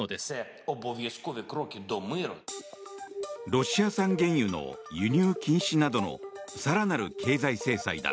ロシア産原油の輸入禁止などの更なる経済制裁だ。